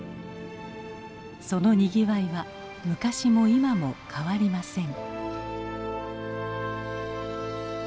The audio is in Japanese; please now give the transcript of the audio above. そのにぎわいは昔も今も変わりません。